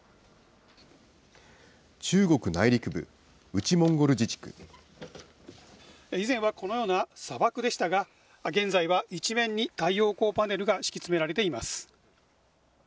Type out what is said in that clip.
中国内陸部、以前はこのような砂漠でしたが、現在は一面に太陽光パネルが敷き詰められています。